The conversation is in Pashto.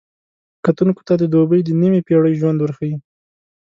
کتونکو ته د دوبۍ د نیمې پېړۍ ژوند ورښيي.